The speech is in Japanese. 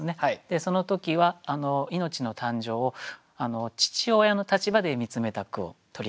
その時は命の誕生を父親の立場で見つめた句を取り上げました。